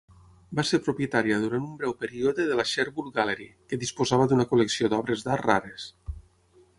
Va ser propietària durant un breu període de la Sherwood Gallery, que disposava d'una col·lecció d'obres d'art rares.